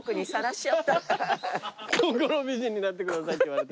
「心美人になってください」って言われたよ。